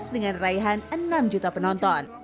dengan raihan enam juta penonton